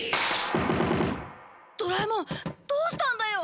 ドラえもんどうしたんだよ。